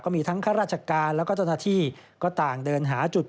ก็มีทั้งข้าราชการและตนาทีก็ต่างเดิน